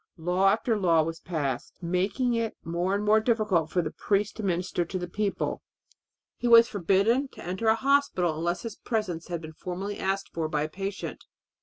Law after law was passed, making it more and more difficult for the priest to minister to the people. He was forbidden to enter a hospital unless his presence had been formally asked for by a patient.